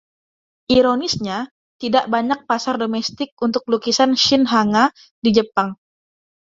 Ironisnya, tidak banyak pasar domestik untuk lukisan "shin-hanga" di Jepang.